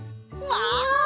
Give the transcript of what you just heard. わ！